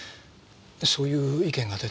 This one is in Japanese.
そういう意見が出て。